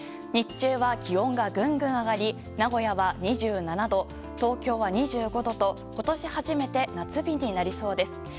日中は気温がぐんぐん上がり名古屋は２７度、東京は２５度と今年初めて夏日になりそうです。